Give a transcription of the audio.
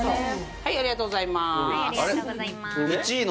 はいありがとうございますんで？